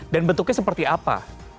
dan bentuknya seperti apa